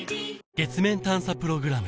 月面探査プログラム